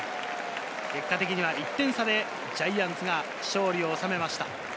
１点差でジャイアンツが勝利を収めました。